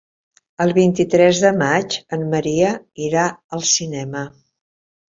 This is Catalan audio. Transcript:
El vint-i-tres de maig en Maria irà al cinema.